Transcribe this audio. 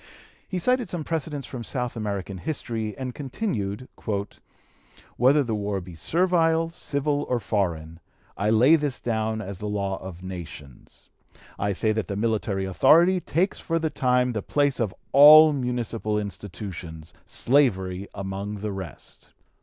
He cited some precedents from South American history, and continued: "Whether the war be servile, civil, or foreign, I lay this down as the law of nations. I say that the military authority takes for the time the place of all municipal institutions, slavery among the rest.